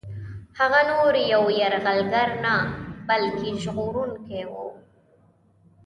هغه نور یو یرغلګر نه بلکه ژغورونکی وو.